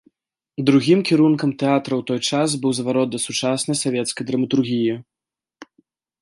Другім кірункам тэатра ў той час быў зварот да сучаснай савецкай драматургіі.